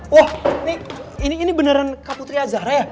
wah ini beneran kak putri azara ya